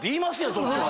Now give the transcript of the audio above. そっちは。